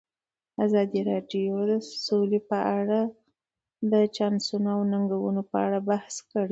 ازادي راډیو د سوله په اړه د چانسونو او ننګونو په اړه بحث کړی.